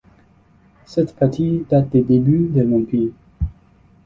Cette partie date des débuts de l'Empire.